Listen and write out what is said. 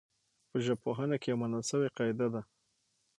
په ژبپوهنه کي يوه منل سوې قاعده ده.